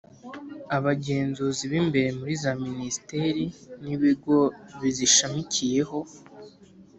abagenzuzi b’imbere muri za minisiteri n’ibigo bizishamikiyeho;